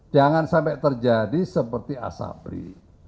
jangan sampai terjadi seperti asabri